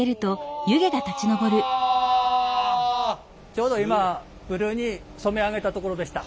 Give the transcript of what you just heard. ちょうど今ブルーに染め上げたところでした。